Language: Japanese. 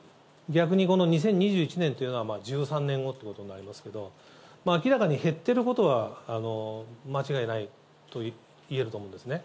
逆にこの２０２１年というのは１３年後ということになりますけれども、明らかに減っていることは間違いないと言えると思うんですね。